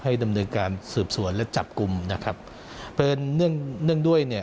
ดำเนินการสืบสวนและจับกลุ่มนะครับเพราะฉะนั้นเนื่องเนื่องด้วยเนี่ย